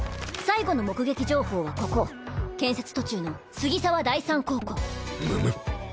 最後の目撃情報はここ建設途中の杉沢第三高校。